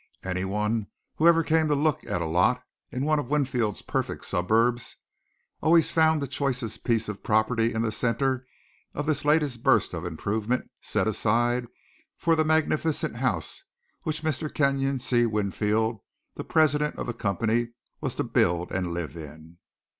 Anyone who ever came to look at a lot in one of Winfield's perfect suburbs always found the choicest piece of property in the centre of this latest burst of improvement set aside for the magnificent house which Mr. Kenyon C. Winfield, the president of the company, was to build and live in.